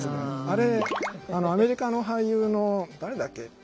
あれアメリカの俳優の誰だっけ。